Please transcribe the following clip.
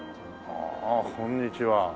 ああこんにちは。